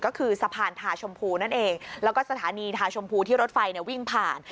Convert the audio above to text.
ก็คือสะพานทาชมพูนั่นเองแล้วก็สถานีทาชมพูที่รถไฟเนี่ยวิ่งผ่าน